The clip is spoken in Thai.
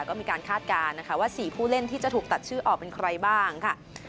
ก็มีการคาดการณ์นะคะว่า๔ผู้เล่นที่จะถูกตัดชื่อออกเป็นใครบ้างค่ะ